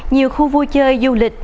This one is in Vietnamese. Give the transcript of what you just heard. nhiều khu vui chơi du lịch